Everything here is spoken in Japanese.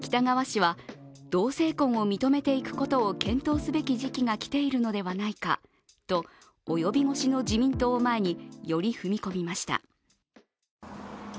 北側氏は、同性婚を認めていくことを検討すべき時期が来ているのではないかと及び腰の自民党を前により踏み込みました。